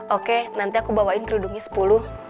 oke nanti aku bawain kerudungnya sepuluh